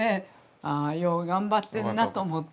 ああよう頑張ってんなと思って。